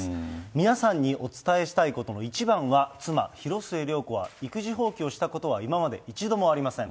皆さんにお伝えしたいことの一番は妻、広末涼子は育児放棄をしたことは、今まで一度もありません。